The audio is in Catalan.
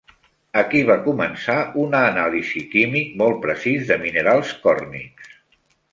Aquí, va començar una anàlisi químic molt precís de minerals còrnics.